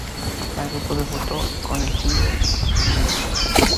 El grupo debutó con el single "Mr.